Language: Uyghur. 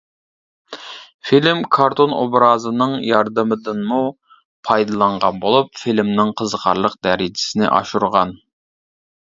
فىلىم كارتون ئوبرازنىڭ ياردىمىدىنمۇ پايدىلانغان بولۇپ، فىلىمنىڭ قىزىقارلىق دەرىجىسىنى ئاشۇرغان.